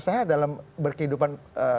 sehat dalam kehidupan